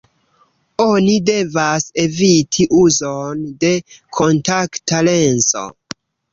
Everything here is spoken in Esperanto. Oni devas eviti uzon de kontakta lenso.